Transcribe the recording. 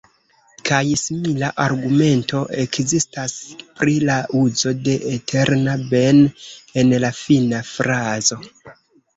Kaj simila argumento ekzistas pri la uzo de "eterna ben'" en la fina frazo.